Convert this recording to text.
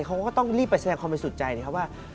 เขาก็ต้องรีบไปแสดงความบริสุทธิ์ใจนะครับว่า